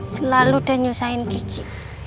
selalu dany usahain kiki